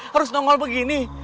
harus nongol begini